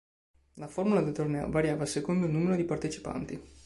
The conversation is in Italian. La formula del torneo variava secondo il numero di partecipanti.